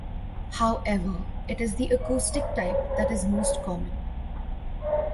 However, it is the acoustic type that is most common.